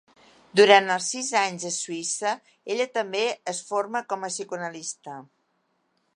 Durant els sis anys a Suïssa ella també es forma com a psicoanalista.